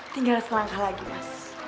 tinggal selangkah lagi mas